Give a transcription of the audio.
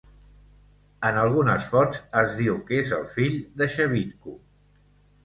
En algunes fonts es diu que és el fill de Shebitku.